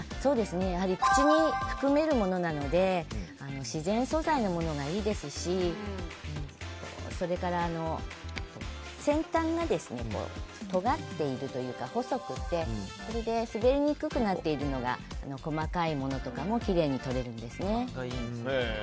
口に含めるものなので自然素材のものがいいですしそれから先端がとがっているというか細くて滑りにくくなっているのが細かいものとかもきれいに取れるんですね。